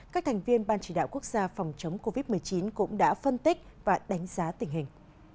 các thành viên ban chỉ đạo quốc gia phòng chống covid một mươi chín cũng đã phân tích và đánh giá tình hình